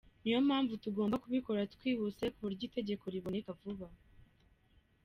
Niyo mpamvu tugomba kubikora twihuse ku buryo itegeko riboneka vuba.